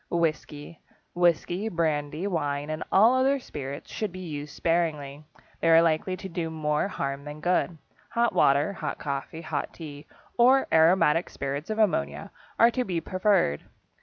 =Whisky.= Whisky, brandy, wine, and all other spirits should be used sparingly. They are likely to do more harm than good. Hot water, hot coffee, hot tea, or aromatic spirits of ammonia are to be preferred.